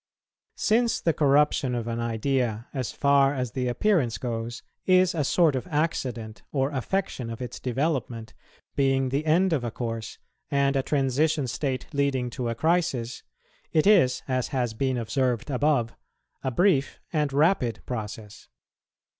Since the corruption of an idea, as far as the appearance goes, is a sort of accident or affection of its development, being the end of a course, and a transition state leading to a crisis, it is, as has been observed above, a brief and rapid process.